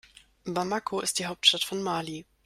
Bamako ist die Hauptstadt von Mali.